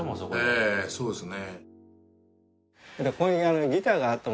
ええそうですね。